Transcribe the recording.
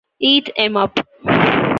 Eat 'em up!